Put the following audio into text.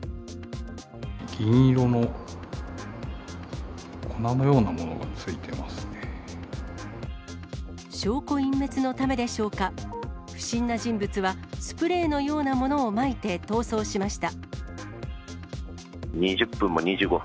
銀色の粉のようなものがつい証拠隠滅のためでしょうか、不審な人物はスプレーのようなものをまいて逃走しました。